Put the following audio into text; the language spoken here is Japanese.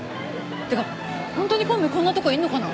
てかホントに孔明こんなとこいんのかな？